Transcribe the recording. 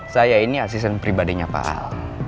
saya ini asisten pribadinya pak ahok